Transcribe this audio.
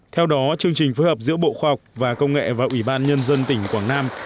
theo đó chương trình phối hợp giữa bộ khoa học và công nghệ và ủy ban nhân dân tỉnh quảng nam